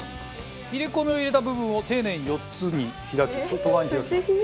切り込みを入れた部分を丁寧に４つに開き外側に開きます。